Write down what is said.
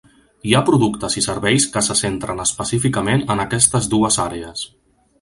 Hi ha productes i serveis que se centren específicament en aquestes dues àrees.